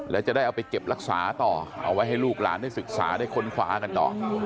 แล้วจะได้เอาไปเก็บรักษาต่อเอาไว้ให้ลูกหลานได้ศึกษาได้ค้นคว้ากันต่อ